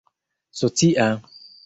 socia